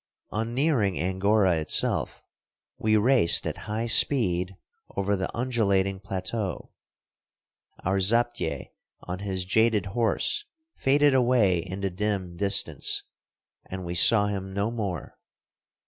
On nearing Angora itself, we raced at high speed over the undulating plateau. Our zaptieh on his jaded horse faded away in the dim distance, and we saw him no more.